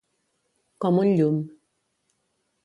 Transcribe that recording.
Com un llum.